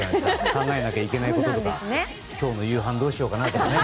考えなきゃいけないこととか今日の夕飯どうしようかなとか。